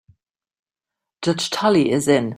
Judge Tully is in.